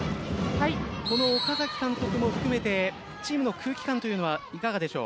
この岡崎監督も含めてチームの空気感というのはいかがでしょう？